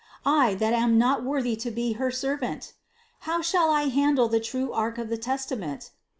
I that am not worthy to be her servant? How shall I handle the true ark of the Testament?